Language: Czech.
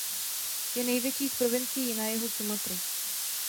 Je největší z provincií na jihu Sumatry.